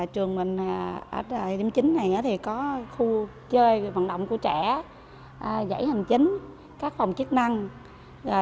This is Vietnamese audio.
trường mình ở điểm chính này có khu chơi vận động của trẻ giải hành chính các phòng chức năng